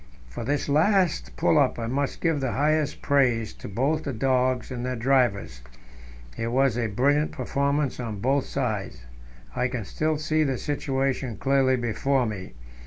For this last pull up I must give the highest praise both to the dogs and their drivers; it was a brilliant performance on both sides. I can still see the situation clearly before me.